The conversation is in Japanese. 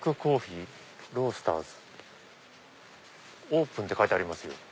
オープンって書いてありますよ